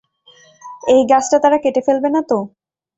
এই গাছটা তারা কেটে ফেলেবে না তো?